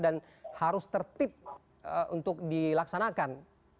dan harus tertib untuk dilaksanakan